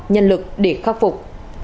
nhân lực để khắc phục